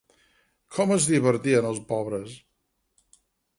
Com es divertien, els pobres!